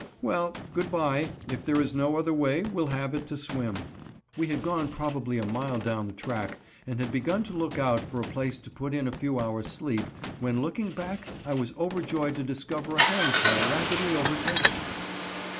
"Well, good bye; if there is no other way, we'll have it to swim." We had gone probably a mile down the track and had begun to look out for a place to put in a few hours sleep, when looking back, I was overjoyed to discover a hand car rapidly overtaking us.